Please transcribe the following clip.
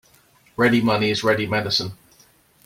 Ready money is ready medicine.